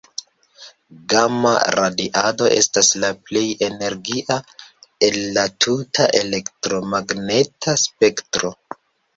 Gama-radiado estas la plej energia el la tuta elektromagneta spektro.